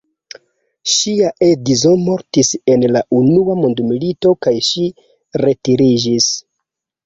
Ŝia edzo mortis en la unua mondmilito kaj ŝi retiriĝis.